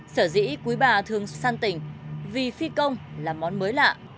sở dĩ quý bà thường san tình vì phi công là món mới lạ